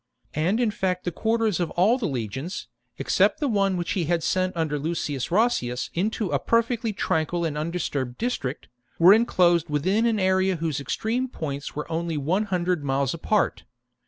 And in fact the quarters of all the legions, except the one which he had sent under Lucius Roscius into a perfectly tranquil and undisturbed district, were enclosed within an area whose extreme points were only one hundred miles apart.